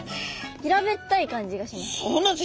平べったい感じがします。